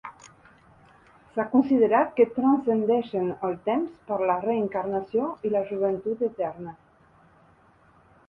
S'ha considerat que transcendeixen el temps per la reencarnació i la joventut eterna.